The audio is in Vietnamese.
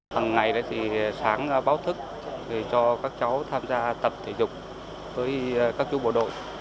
hằng ngày thì sáng báo thức cho các cháu tham gia tập thể dục với các chú bộ đội